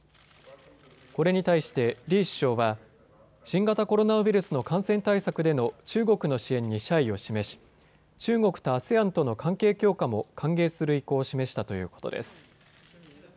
これに対してリー首相は新型コロナウイルスの感染対策での中国の支援に謝意を示し中国とＡＳＥＡＮとの関係強化も歓迎する意向を示したということです。